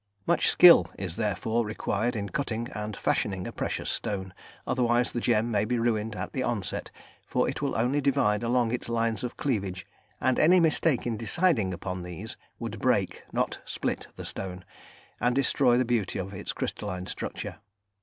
Much skill is, therefore, required in cutting and fashioning a precious stone, otherwise the gem may be ruined at the onset, for it will only divide along its lines of cleavage, and any mistake in deciding upon these, would "break," not "split" the stone, and destroy the beauty of its crystalline structure.